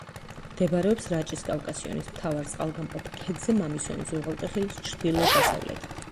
მდებარეობს რაჭის კავკასიონის მთავარ წყალგამყოფ ქედზე, მამისონის უღელტეხილის ჩრდილო-დასავლეთით.